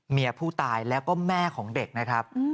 เมียผู้ตายแล้วก็แม่ของเด็กนะครับ